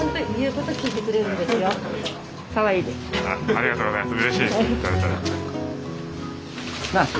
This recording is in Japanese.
ありがとうございます。